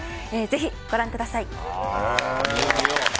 ぜひ、ご覧ください。